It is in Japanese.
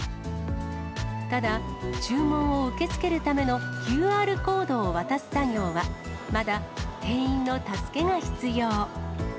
ただ、注文を受け付けるためのＱＲコードを渡す作業は、まだ店員の助けが必要。